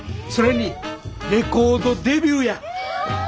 それにレコードデビューや。